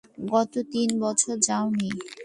গত তিন বছরে যাও নি?